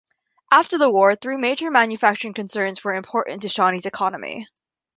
After the war, three major manufacturing concerns were important to Shawnee's economy.